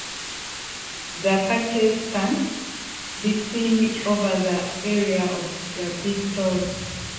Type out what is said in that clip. The catches can be seen over the area of the big toe.